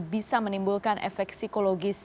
bisa menimbulkan efek psikologis